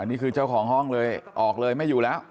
นี่คือเจ้าของห้องเลยออกเลยไม่อยู่แล้ว